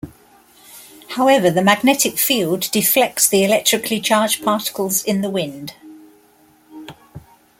However, the magnetic field deflects the electrically charged particles in the wind.